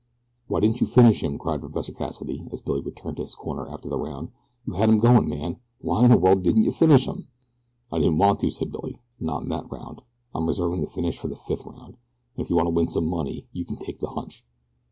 "Why didn't you finish him?" cried Professor Cassidy, as Billy returned to his corner after the round. "You had 'im goin' man why in the world didn't yeh finish him?" "I didn't want to," said Billy; "not in that round. I'm reserving the finish for the fifth round, and if you want to win some money you can take the hunch!"